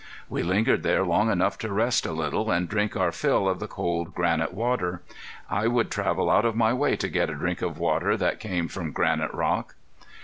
We lingered there long enough to rest a little and drink our fill of the cold granite water. I would travel out of my way to get a drink of water that came from granite rock.